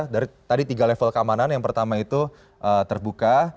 dari tadi tiga level keamanan yang pertama itu terbuka